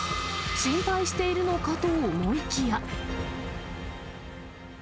心配しているのかと思いきや。